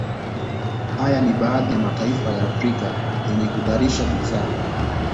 Hayo ni baadhi tu ya mataifa ya Afrika yenye kuzalisha bidhaa